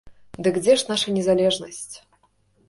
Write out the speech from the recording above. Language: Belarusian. Дык дзе ж наша незалежнасць?